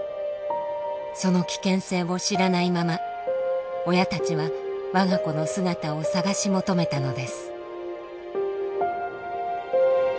その危険性を知らないまま親たちは我が子の姿を捜し求めたのです。